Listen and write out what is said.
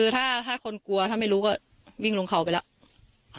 ถ้าคนกลัวถ้าไม่รู้ก็วิ่งลงเขาไปแล้ว